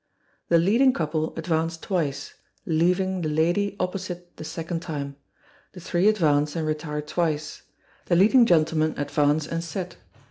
The leading couple advance twice, leaving the lady opposite the second time. The three advance and retire twice. The leading gentleman advance and set.